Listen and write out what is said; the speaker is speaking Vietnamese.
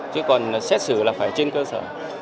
chứ còn xét xử là phải trên cơ sở